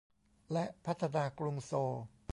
และพัฒนากรุงโซล